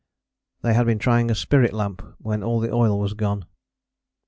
They had been trying a spirit lamp when all the oil was gone.